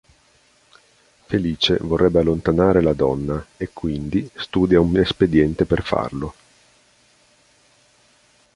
Felice vorrebbe allontanare la donna e, quindi, studia un espediente per farlo...